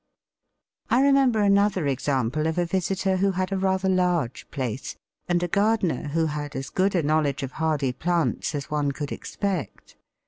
I remember another example of a visitor who had a rather large place, and a gardener who had as good a knowledge of hardy plants as one could expect.